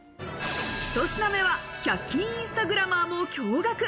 １品目は１００均インスタグラマーも驚愕。